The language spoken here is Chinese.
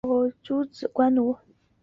诸子为官奴。